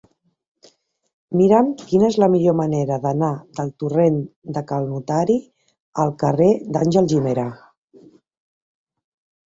Mira'm quina és la millor manera d'anar del torrent de Cal Notari al carrer d'Àngel Guimerà.